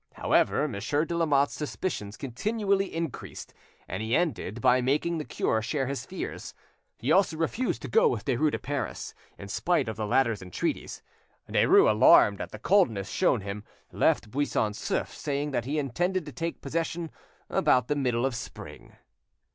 However, Monsieur de Lamotte's suspicions continually increased and he ended by making the cure share his fears. He also refused to go with Derues to Paris, in spite of the latter's entreaties. Derues, alarmed at the coldness shown him, left Buisson Souef, saying that he intended to take possession about the middle of spring.